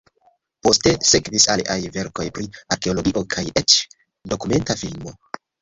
Poste sekvis aliaj verkoj pri arkeologio kaj eĉ dokumenta filmo.